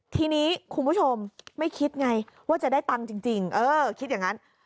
ทีนี้คุณผู้ชมไม่คิดไงว่าจะได้ตังค์จริงเออคิดอย่างนั้น